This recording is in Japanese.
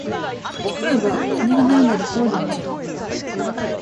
柿食えば鐘が鳴るなり法隆寺